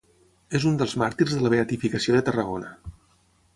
És un dels màrtirs de la Beatificació de Tarragona.